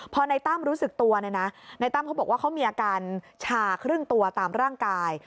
พอในตั้มรู้สึกตัวเนี่ยนะในตั้มเขาบอกว่าเขามีอาการชาครึ่งตัวตามร่างกาย